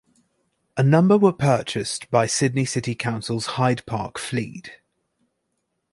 A number were purchased by Sydney City Council's Hyde Park fleet.